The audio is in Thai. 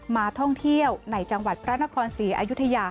มาท่องเที่ยวในจังหวัดพระนครศรีอยุธยา